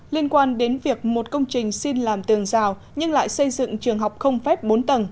liên quan đến việc một công trình xin làm tường rào nhưng lại xây dựng trường học không phép bốn tầng